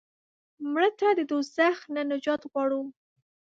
مړه ته د دوزخ نه نجات غواړو